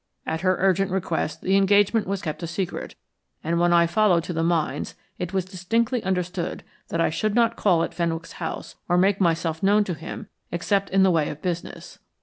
At her urgent request the engagement was kept a secret, and when I followed to the Mines it was distinctly understood that I should not call at Fenwick's house or make myself known to him except in the way of business.